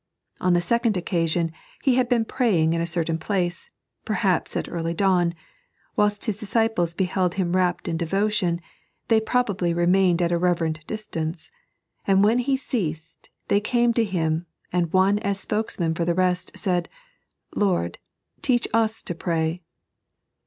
On the second occasion He had been praying in a certain place, perhaps at early dawn. Whilst His disciples beheld Him rapt in devotion, they probably remained at a reverent distance ; but when He ceased, they came to Him, and one, as spokesman for the rest, said :" Lord, teach us to pray."